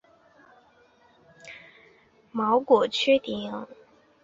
毛果缺顶杜鹃为杜鹃花科杜鹃属下的一个变种。